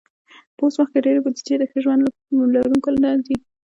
په اوس وخت کې ډېری بودیجه د ښه ژوند لرونکو ته ځي.